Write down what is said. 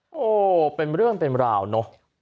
โอ้โหเป็นเรื่องเป็นราวเนอะ